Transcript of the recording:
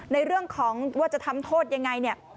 ในเรื่องของว่าจะทำโทษอย่างไร